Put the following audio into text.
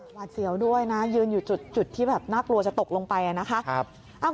หวาดเสียวด้วยนะยืนอยู่จุดที่แบบน่ากลัวจะตกลงไปนะคะ